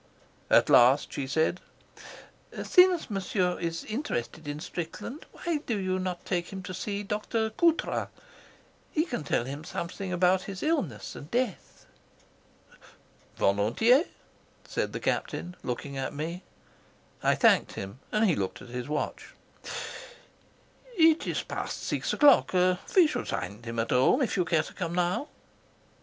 At last she said: "Since is interested in Strickland, why do you not take him to see Dr. Coutras? He can tell him something about his illness and death." "," said the Captain, looking at me. I thanked him, and he looked at his watch. "It is past six o'clock. We should find him at home if you care to come now."